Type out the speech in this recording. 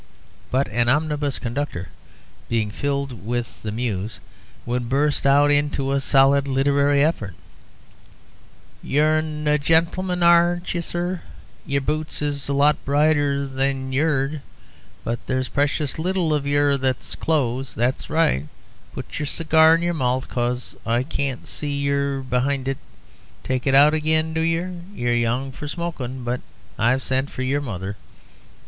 But an omnibus conductor (being filled with the Muse) would burst out into a solid literary effort: 'You're a gen'leman, aren't yer ... yer boots is a lot brighter than yer 'ed...there's precious little of yer, and that's clothes...that's right, put yer cigar in yer mouth 'cos I can't see yer be'ind it...take it out again, do yer! you're young for smokin', but I've sent for yer mother....